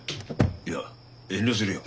いや遠慮するよ。